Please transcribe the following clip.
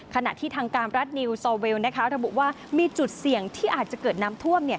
ขณะที่ทางการรัฐนิวซอเวลระบุว่ามีจุดเสี่ยงที่อาจจะเกิดน้ำท่วม